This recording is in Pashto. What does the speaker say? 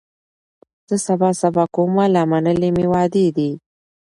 زه سبا سبا کومه لا منلي مي وعدې دي